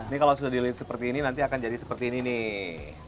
ini kalau sudah dilihat seperti ini nanti akan jadi seperti ini nih